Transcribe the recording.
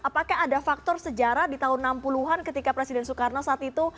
apakah ada faktor sejarah di tahun enam puluh an ketika presiden soekarno saat itu